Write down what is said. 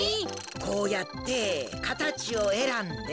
こうやってかたちをえらんで。